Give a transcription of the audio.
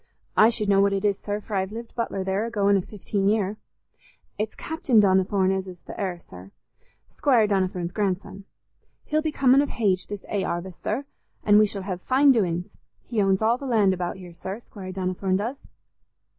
I should know what it is, sir, for I've lived butler there a going i' fifteen year. It's Captain Donnithorne as is th' heir, sir—Squire Donnithorne's grandson. He'll be comin' of hage this 'ay 'arvest, sir, an' we shall hev fine doin's. He owns all the land about here, sir, Squire Donnithorne does."